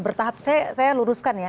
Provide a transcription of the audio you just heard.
bertahap saya luruskan ya